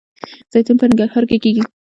زیتون په ننګرهار کې کیږي